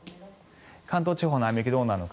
関東地方の雨雪どうなのか。